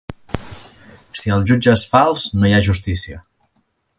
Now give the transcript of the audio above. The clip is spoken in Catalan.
Si el jutge és fals, no hi ha justícia.